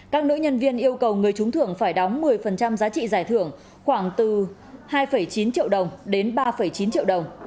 các nữ nhân viên yêu cầu người trúng thưởng phải đóng một mươi giá trị giải thưởng khoảng từ hai chín triệu đồng đến ba chín triệu đồng